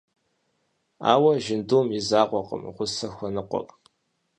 Ауэ жьындум и закъуэкъым гъусэ хуэныкъуэр.